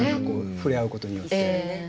触れ合うことによって。